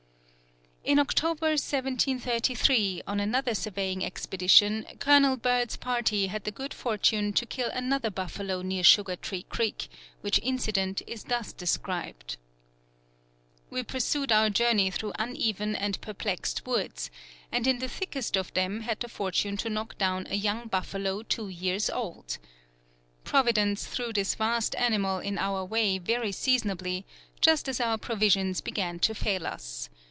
[Note 4: Westover Manuscript. Col. William Byrd. Vol. I, p. 178.] In October, 1733, on another surveying expedition, Colonel Byrd's party had the good fortune to kill another buffalo near Sugar Tree Creek, which incident is thus described: [Note 5: Vol. II, pp. 24, 25.] "We pursued our journey thro' uneven and perplext woods, and in the thickest of them had the Fortune to knock down a Young Buffalo 2 years old. Providence threw this vast animal in our way very Seasonably, just as our provisions began to fail us.